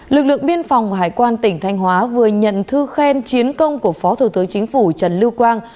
lực lượng biên phòng hải quan tỉnh thanh hóa vừa nhận thư khen chiến công của phó thủ tướng chính phủ trần lưu quang